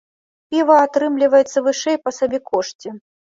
Піва атрымліваецца вышэй па сабекошце.